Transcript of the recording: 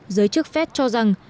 giới chức phép cho rằng